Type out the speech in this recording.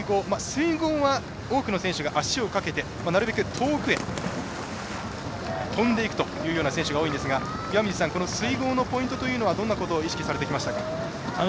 水濠は多くの選手が足をかけてなるべく遠くへ跳んでいくというような選手が多いんですがこの水濠のポイントというのはどんなことを意識されてきましたか？